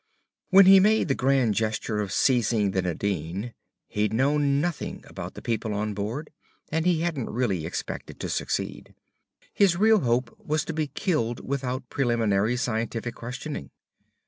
When he made the grand gesture of seizing the Nadine, he'd known nothing about the people on board, and he hadn't really expected to succeed. His real hope was to be killed without preliminary scientific questioning.